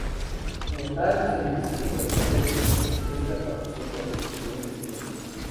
Como tal, se le exige corrección en sus respuestas bajo ciertas restricciones de tiempo.